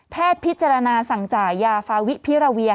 พิจารณาสั่งจ่ายยาฟาวิพิราเวีย